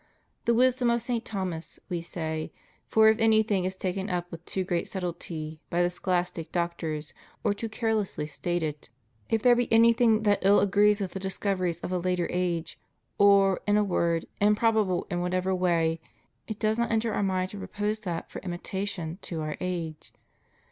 The wisdom of St. Thomas, We say; for if anything is taken up with too great subtlety by the scholastic doctors, or too carelessly stated — if there be anything that ill agrees with the discoveries of a later age, or, in a word, improbable in whatever way, it does not enter Our mind to propose that for imitation to Our age.